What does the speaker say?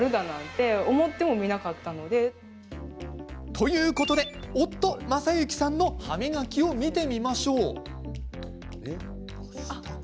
ということで、夫、昌之さんの歯磨きを見てみましょう。